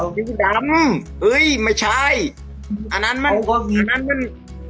ผิวดำเอ้ยไม่ใช่อันนั้นมันอันนั้นมัน